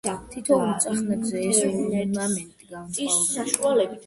თითოეულ წახნაგზე ეს ორნამენტი განსხვავებულია.